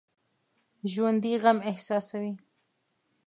ژوندي غم احساسوي